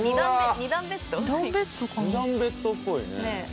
２段ベッドっぽいね。